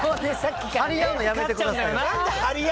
張り合うのやめてくださいよ。